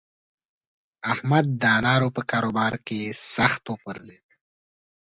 احمد د انارو په کاروبار کې سخت وپرځېد.